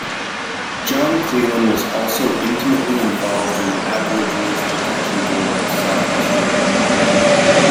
John Cleland was also intimately involved in the Aborigines Protection Board of South Australia.